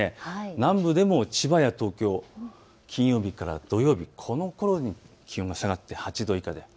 南部でも千葉や東京、金曜日から土曜日このころに気温が下がって８度以下。